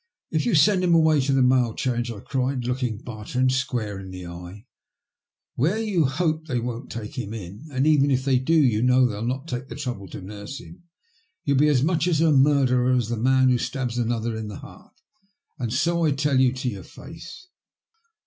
" If you send him away to the Mail Change," I cried, looking Bartrand square in the eye, '' where you hope they won't take him in— and, even if they do, you know they'll not take the trouble to nurse him — you'll be as much a murderer as the man who stabi another to the heart, and so I tell you to your face."